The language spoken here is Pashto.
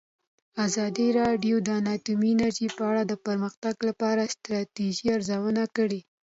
ازادي راډیو د اټومي انرژي په اړه د پرمختګ لپاره د ستراتیژۍ ارزونه کړې.